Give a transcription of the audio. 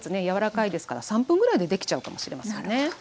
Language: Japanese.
柔らかいですから３分ぐらいでできちゃうかもしれませんね。